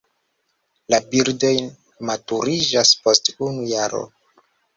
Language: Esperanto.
La birdoj maturiĝas post unu jaro.